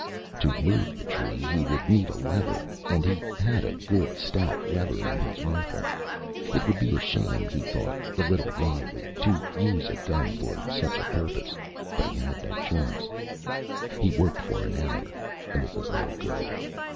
To move the tree, he would need a lever and he had a good, stout lever in his rifle. It would be a shame, he thought a little wryly, to use a gun for such a purpose, but he had no choice. He worked for an hour and it was no good.